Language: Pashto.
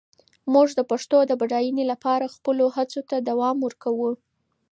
موږ د پښتو د بډاینې لپاره خپلو هڅو ته دوام ورکوو.